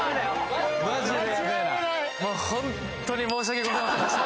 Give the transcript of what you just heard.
もうホントに申し訳ございませんでした